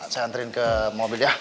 saya antriin ke mobil ya